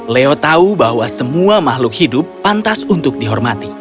leo tahu bahwa semua makhluk hidup pantas untuk dihormati